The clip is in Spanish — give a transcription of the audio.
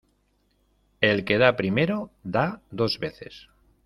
El que da primero da dos veces.